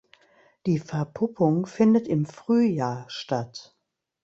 Die Verpuppung findet im Frühjahr statt.